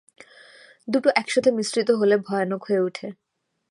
দুটো একসাথে মিশ্রিত হলে ভয়ানক হয়ে উঠে!